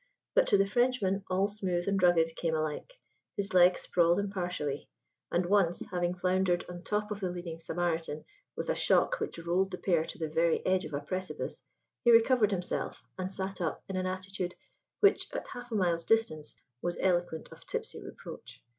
But to the Frenchman all smooth and rugged came alike: his legs sprawled impartially: and once, having floundered on top of the leading Samaritan with a shock which rolled the pair to the very verge of a precipice, he recovered himself, and sat up in an attitude which, at half a mile's distance, was eloquent of tipsy reproach.